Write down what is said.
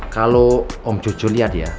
kalau om jojo liat ya